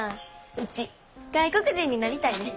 ウチ外国人になりたいねん。